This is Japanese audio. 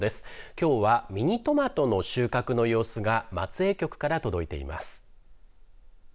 きょうはミニトマトの収穫の様子が松江局から届いています。